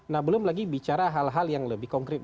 nah belum lagi bicara hal hal yang lebih konkret